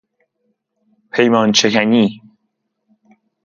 پیمانشکنی